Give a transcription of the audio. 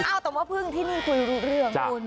เอ้าแต่ว่าพึ่งที่นี่คุยรู้เรื่อง